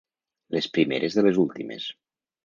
Les primeres de les últimes.